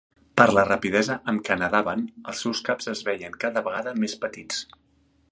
Per la rapidesa amb què nedaven, els seus caps es veien cada vegada més petits.